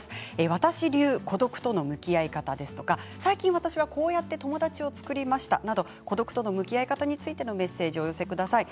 私流、孤独との向き合い方ですとか最近、私はこうやって友達を作りましたなど、孤独との向き合い方についてのメッセージをお寄せください。